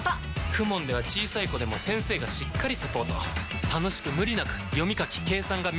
ＫＵＭＯＮ では小さい子でも先生がしっかりサポート楽しく無理なく読み書き計算が身につきます！